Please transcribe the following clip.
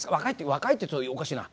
若いって言うとおかしいな。